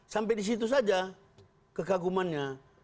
sampai di situ saja kekagumannya